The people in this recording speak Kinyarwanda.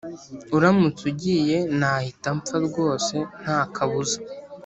uramutse ugiye nahita mpfa rwose ntakabuza